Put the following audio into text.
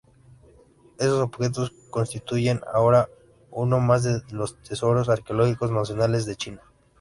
Esos objetos constituyen ahora uno más de los tesoros arqueológicos nacionales de China.